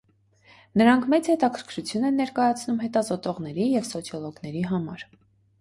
Նրանք մեծ հետաքրքրություն են ներկայացնում հետազոտողների և սոցիոլոգների համար։